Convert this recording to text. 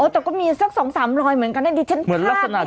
แต่ก็มีสักสองสามรอยเหมือนกันดิฉันฆ่าไปออก